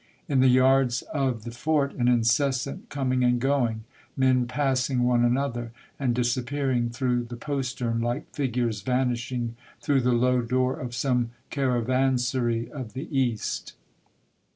In the yards of the fort an incessant coming and going, men passing one another, and disappearing through the postern like figures vanishing through the low door of some caravansary of the East.